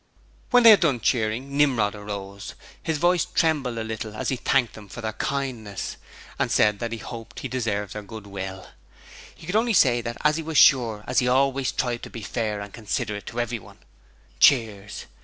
When they had done cheering, Nimrod rose. His voice trembled a little as he thanked them for their kindness, and said that he hoped he deserved their goodwill. He could only say that as he was sure as he always tried to be fair and considerate to everyone. (Cheers.)